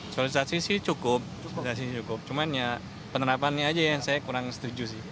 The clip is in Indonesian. sosialisasi sih cukup nggak sih cukup cuman ya penerapannya aja yang saya kurang setuju sih